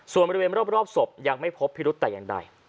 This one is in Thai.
ส่วนบริเวณรอบศพยังไม่พบพิรุธแต่อย่างใด